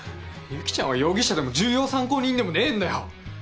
由岐ちゃんは容疑者でも重要参考人でもねえんだよ！